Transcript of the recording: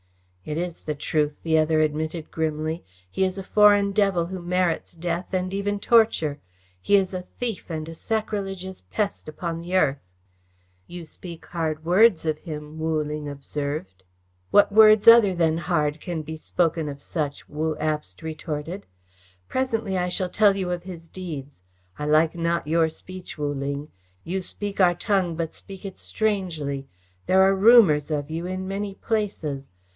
"It is the truth," the other admitted grimly. "He is a foreign devil who merits death and even torture. He is a thief and a sacrilegious pest upon the earth." "You speak hard words of him," Wu Ling observed. "What words other than hard can be spoken of such?" Wu Abst retorted. "Presently I shall tell you of his deeds. I like not your speech, Wu Ling. You speak our tongue but speak it strangely. There are rumours of you in many places.